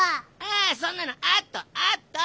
ああそんなのあとあと！